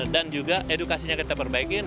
dan juga edukasinya kita perbaikin